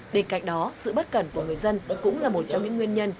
bên cạnh đó sự bất cẩn của người dân cũng là một trong những nguyên nhân